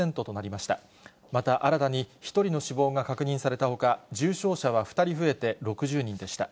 また新たに１人の死亡が確認されたほか、重症者は２人増えて、６０人でした。